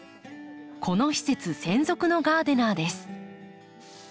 この施設専属のガーデナーです。